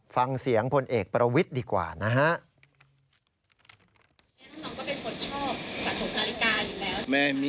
ฟังเสียงพลเอกประวิทย์ดีกว่านะฮะ